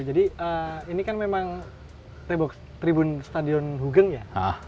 jadi ini kan memang tribun stadion hugeng ya